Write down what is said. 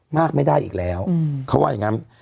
มากไม่ได้อีกแล้วเขาว่าอย่างนั้น